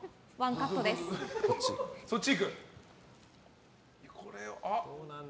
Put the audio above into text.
そっちいく？